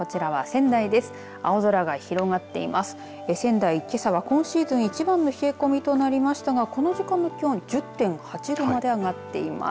仙台、けさは、今シーズン一番の冷え込みになりましたがこの時間の気温１０．８度まで上がっています。